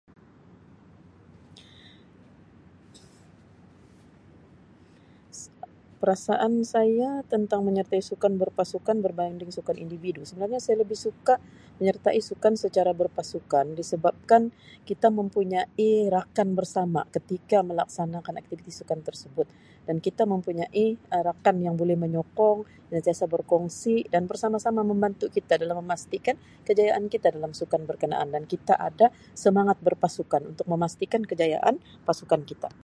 Perasaan saya tentang menyertai sukan berpasukan berbanding sukan individu sebenarnya saya lebih suka sukan secara berpasukan disebabkan kita mempunyai rakan bersama ketika melaksanakan aktiviti sukan tersebut dan kita mempunyai Um rakan yang menyokong, yang sentiasa berkongsi dan sentiasa bersama-sama membantu dalam memastikan kejayaan kita dalam sukan berkenaan dan kita ada semangat berpasukan untuk memastikan kejayaan pasukan kita